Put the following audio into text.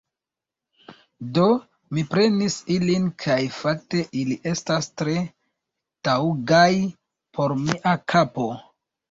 Do, mi prenis ilin kaj fakte ili estas tre taŭgaj por mia kapo